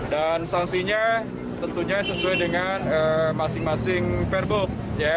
dan sanksinya tentunya sesuai dengan masing masing perbuk